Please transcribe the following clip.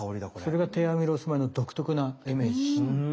それが低アミロース米の独特なイメージ。